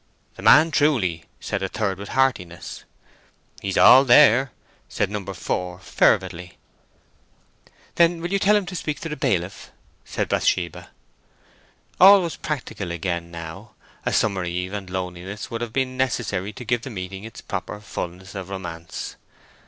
"The man, truly!" said a third, with heartiness. "He's all there!" said number four, fervidly. "Then will you tell him to speak to the bailiff?" said Bathsheba. All was practical again now. A summer eve and loneliness would have been necessary to give the meeting its proper fulness of romance.